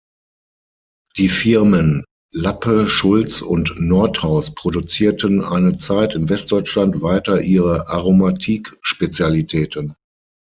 Die Firmen Lappe, Schultz und Nordhaus produzierten eine Zeit in Westdeutschland weiter ihre Aromatique-Spezialitäten.